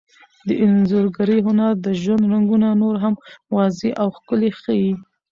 د انځورګرۍ هنر د ژوند رنګونه نور هم واضح او ښکلي ښيي.